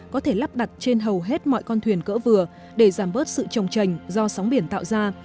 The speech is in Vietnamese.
có thể lắp đặt trên hầu hết mọi con thuyền cỡ vừa để giảm bớt sự trồng trành do sóng biển tạo ra